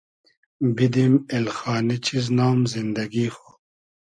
بیدیم اېلخانی چیز نام زیندئگی خو